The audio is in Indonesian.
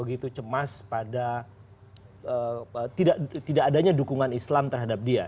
begitu cemas pada tidak adanya dukungan islam terhadap dia